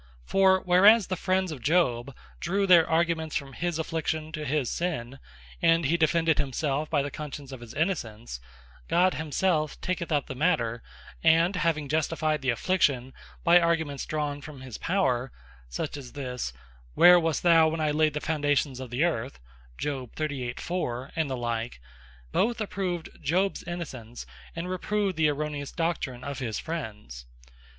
For whereas the friends of Job drew their arguments from his Affliction to his Sinne, and he defended himselfe by the conscience of his Innocence, God himselfe taketh up the matter, and having justified the Affliction by arguments drawn from his Power, such as this "Where was thou when I layd the foundations of the earth," and the like, both approved Job's Innocence, and reproved the Erroneous doctrine of his friends.